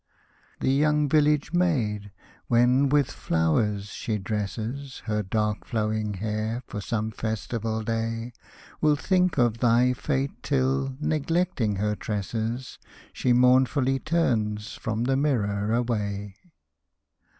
The young village maid, when with flowers she dresses Her dark flowing hair for some festival day, Will think of thy fate till, neglecting her tresses. She mournfully turns from the mirror away.